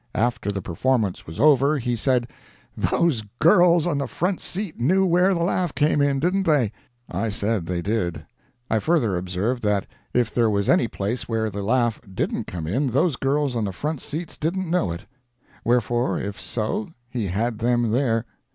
After the performance was over, he said, "Those girls on the front seats knew where the laugh came in, didn't they?" I said they did. I further observed that if there was any place where the laugh didn't come in, those girls on the front seats didn't know it. Wherefore, if so, he had them there.